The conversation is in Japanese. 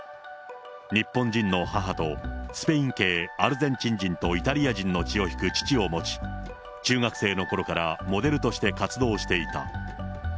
日本人の母とスペイン系アルゼンチン人とイタリア人の血を引く父を持ち、中学生のころからモデルとして活動していた。